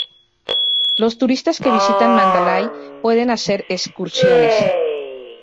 Los turistas que visitan Mandalay pueden hacer excursiones.